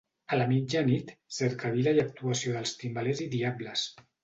A la mitjanit cercavila i actuació dels timbalers i diables.